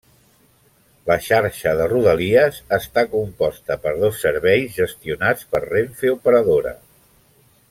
La xarxa de rodalies està composta per dos serveis gestionats per Renfe Operadora.